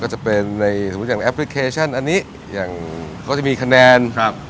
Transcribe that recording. ก็จะเป็นในแอปพลิเคชันอันนี้เขาจะมีคะแนน